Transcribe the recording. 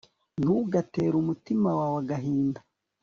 ntugatere umutima wawe agahinda